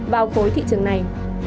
vào khối thị trường này